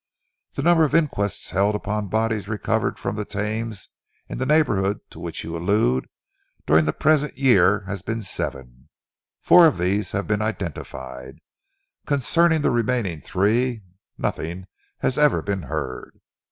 The number of inquests held upon bodies recovered from the Thames in the neighbourhood to which you allude, during the present year has been seven. Four of these have been identified. Concerning the remaining three nothing has ever been heard.